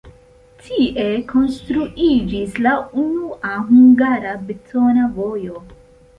Tie konstruiĝis la unua hungara betona vojo.